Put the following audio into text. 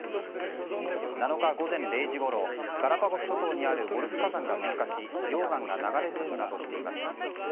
７日午前０時ごろガラパゴス諸島にあるウォルフ火山が噴火し溶岩が流れ出るなどしています。